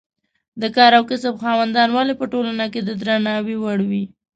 د کار او کسب خاوندان ولې په ټولنه کې د درناوي وړ وي.